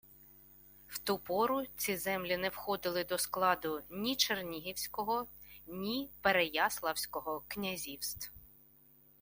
В ту пору ці землі не входили до складу ні Чернігівського, ні Переяславського князівств